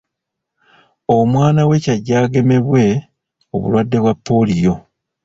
Omwwna we ky'ajje agamebwe obulwadde bwa pooliyo.